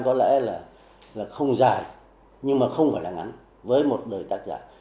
có lẽ là không dài nhưng mà không phải là ngắn với một đời tác giả